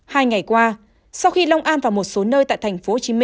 hai ngày qua sau khi long an và một số nơi tại tp hcm